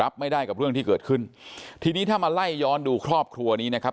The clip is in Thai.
รับไม่ได้กับเรื่องที่เกิดขึ้นทีนี้ถ้ามาไล่ย้อนดูครอบครัวนี้นะครับ